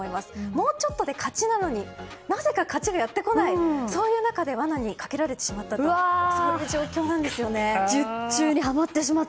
もうちょっとで勝ちなのになぜか勝ちがやってこない中で罠にかけられてしまっとそういう状況なんです。